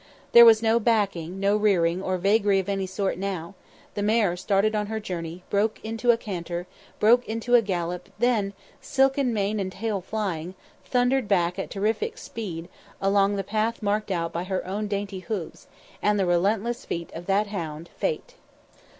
There was no backing, no rearing, or vagary of any sort now; the mare started on her journey; broke into a canter; broke into a gallop; then, silken mane and tail flying, thundered back at a terrific speed along the path marked out by her own dainty hoofs, and the relentless feet of that hound, Fate.